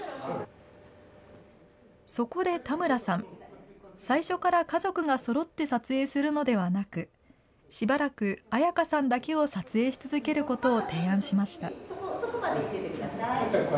そこで田村さん、最初から家族がそろって撮影するのではなく、しばらく彩花さんだけを撮影し続けることを提案しました。